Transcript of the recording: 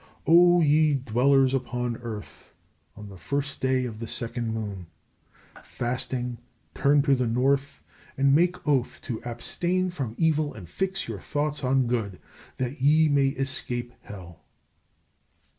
O ye dwellers upon earth, on the 1st day of the 2nd moon, fasting turn to the north and make oath to abstain from evil and fix your thoughts on good, that ye may escape hell!